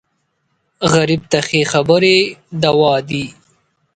غریب ته ښې خبرې دوا دي